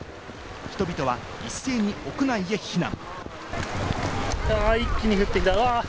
人々は一斉に屋内へ避難。